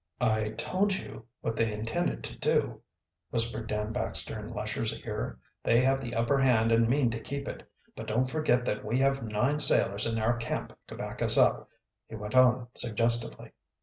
"I told you what they intended to do," whispered Dan Baxter in Lesher's ear. "They have the upper hand and mean to keep it. But don't forget that we have nine sailors in our camp to back us up," he went on suggestively.